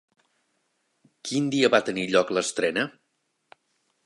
Quin dia va tenir lloc l'estrena?